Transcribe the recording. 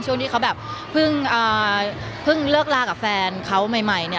ช่วงที่เขาแบบเพิ่งเลิกลากับแฟนเขาใหม่เนี่ย